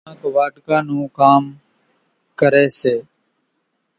ڪانڪ واڍڪا نون ڪام ڪريَ سي۔